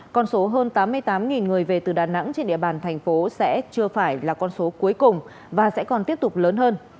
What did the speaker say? con số hơn tám mươi tám người về từ đà nẵng trên địa bàn thành phố sẽ chưa phải là con số cuối cùng và sẽ còn tiếp tục lớn hơn